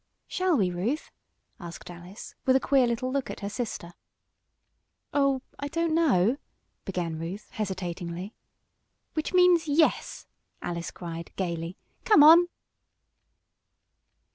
"Shall we, Ruth?" asked Alice, with a queer little look at her sister. "Oh, I don't know," began Ruth, hesitatingly. "Which means yes!" Alice cried, gaily. "Come on!"